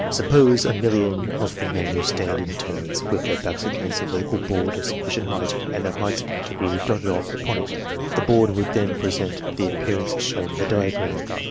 Suppose a million of the men to stand in turns, with their backs against a vertical board of sufficient height, and their heights to be dotted off upon it. The board would then present the appearance shown in the diagram.